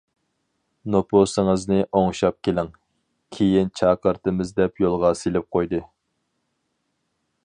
نوپۇسىڭىزنى ئوڭشاپ كېلىڭ، كېيىن چاقىرتىمىز دەپ يولغا سېلىپ قويدى.